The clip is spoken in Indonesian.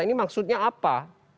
ini maksudnya apa